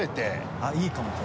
あっいいかもこれ。